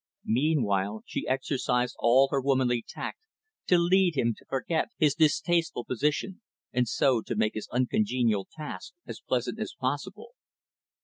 Meanwhile, she exercised all her womanly tact to lead him to forget his distasteful position, and so to make his uncongenial task as pleasant as possible.